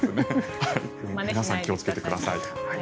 皆さん気をつけてください。